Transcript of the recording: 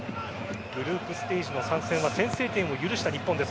グループステージの３戦は先制点を許した日本です。